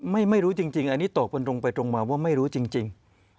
ไม่รู้จริงอันนี้ตอบกันตรงไปตรงมาว่าไม่รู้จริง